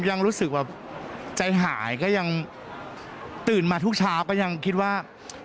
ยังรู้สึกแบบใจหายก็ยังตื่นมาทุกเช้าก็ยังคิดว่า